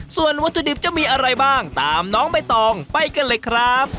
ส่วนวัตถุดิบจะมีอะไรบ้างตามน้องใบตองไปกันเลยครับ